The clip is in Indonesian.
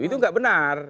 itu enggak benar